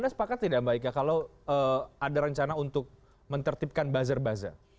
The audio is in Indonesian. anda sepakat tidak mbak ika kalau ada rencana untuk menertibkan buzzer buzzer